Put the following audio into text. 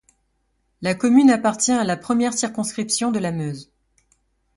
La commune appartient à la première circonscription de la Meuse.